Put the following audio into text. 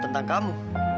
tau tentang kamu